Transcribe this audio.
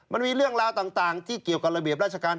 มันมีเรื่องราวต่างที่เกี่ยวกับระเบียบราชการ